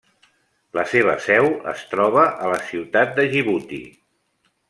La seva seu es troba a la ciutat de Djibouti.